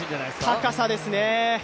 高さですね。